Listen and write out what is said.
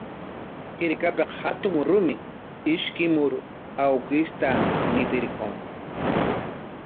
Hirkapik hatun rumi ishkimur awkishta ñitirqun.